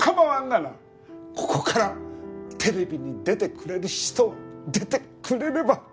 ここからテレビに出てくれる人が出てくれれば。